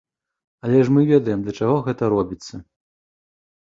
Але ж мы ведаем, для чаго гэта робіцца.